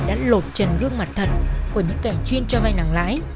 đã lột chân gương mặt thật của những kẻ chuyên cho vay nặng lãi